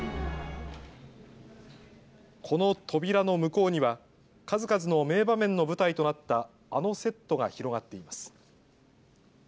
この扉の向こうには数々の名場面の舞台となった、あのセットが広がっています。